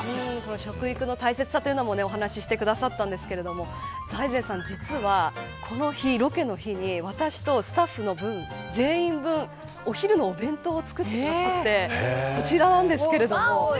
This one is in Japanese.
食育の大切さもお話してくださったんですけど財前さん実は、このロケの日に私とスタッフの分、全員分お昼のお弁当を作ってくださっておいしそうじゃない。